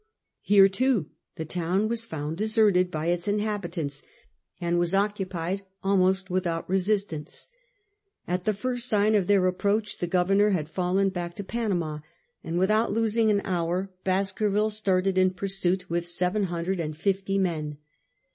Here, too, the town was found deserted by its in habitants, and was occupied almost without resistance. 206 S/J^ FRANCIS DRAKE chap. At the first sign of their approax^h the goyemor had fallen back to Panama, and without losing an hour Baskerville started in pursuit with seven hundred and fifty men.